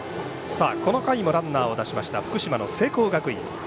この回もランナーを出しました福島の聖光学院。